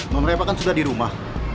maaf reva kan sudah di rumah